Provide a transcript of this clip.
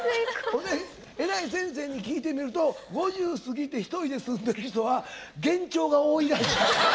ほんで偉い先生に聞いてみると５０過ぎて一人で住んでる人は幻聴が多いらしい。